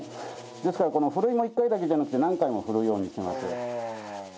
ですからこのふるいも１回だけじゃなくて何回もふるうようにしてます。